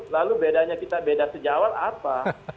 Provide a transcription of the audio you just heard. lalu bedanya kita beda kejawar apa